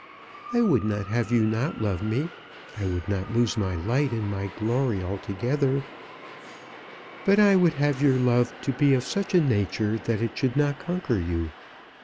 I would not have you not love me. I would not lose my light and my glory altogether. But I would have your love to be of such a nature that it should not conquer you.